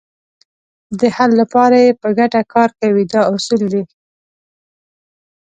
د حل لپاره یې په ګټه کار کوي دا اصول دي.